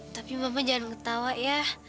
tapi bapak jangan ketawa ya